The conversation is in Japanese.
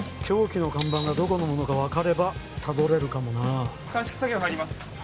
凶器の看板がどこのものか分かればたどれるかもな鑑識作業入ります